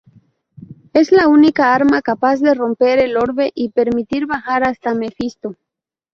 Es la única arma capaz de romper el orbe y permitir bajar hasta Mefisto.